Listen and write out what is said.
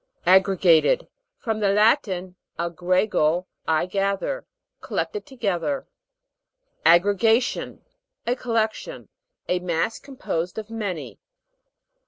AGGREGATED. From the Latin, ag grego, I gather. Collected to gether. AGGREGATION, A collection : a mass composed of many.